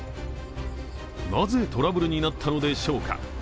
なぜトラブルになったのでしょうか。